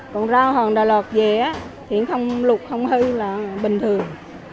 còn rau hàng đà lạt gì thì lụt không hư là bình thường